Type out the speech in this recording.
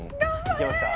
いけますか。